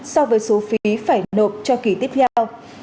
so với số phí phải nộp cho kỳ tiếp theo